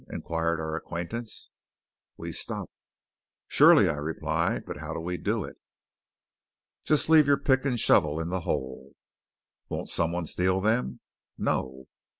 inquired our acquaintance. We stopped. "Surely!" I replied. "But how do we do it?" "Just leave your pick and shovel in the hole." "Won't some one steal them?" "No."